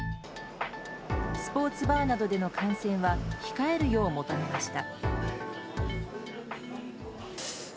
スポーツバーなどでの観戦は控えるよう求めました。